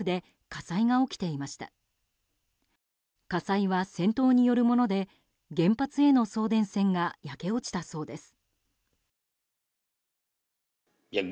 火災は戦闘によるもので原発への送電線が焼け落ちたそうです。